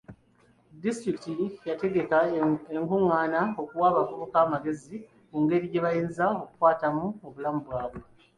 Disitulikiti yategeka enkungaana okuwa abavubuka amagezi ku ngeri gye bayinza okukwatamu obulamu baabwe.